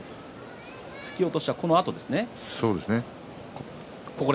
突き落としは、このあとですね。